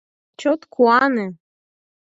Чот куане!